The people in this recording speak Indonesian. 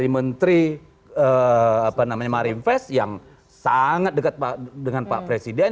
menteri marinvest yang sangat dekat dengan pak presiden